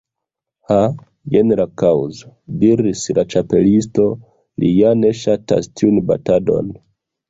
"Ha, jen la kaŭzo," diris la Ĉapelisto. "Li ja ne ŝatas tiun batadon.